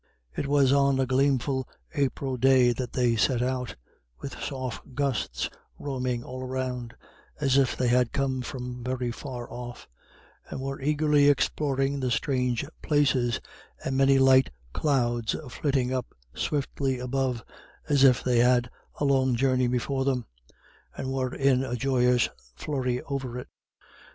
It was on a gleamful April day that they set out, with soft gusts roaming all around, as if they had come from very far off, and were eagerly exploring the strange places, and many light clouds flitting by swiftly above, as if they had a long journey before them, and were in a joyous flurry over it.